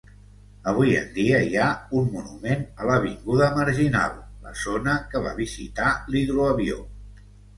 Avui en dia hi ha un monument a l'Avinguda Marginal, la zona que va visitar l'hidroavió.